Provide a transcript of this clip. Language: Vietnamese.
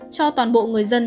cho toàn bộ người dân